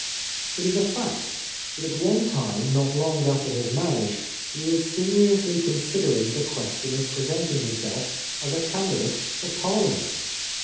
It is a fact that at one time not long after his marriage he was seriously considering the question of presenting himself as a candidate for Parhament.